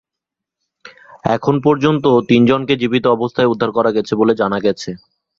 এখন পর্যন্ত তিনজনকে জীবিত অবস্থায় উদ্ধার করা গেছে বলে জানা গেছে।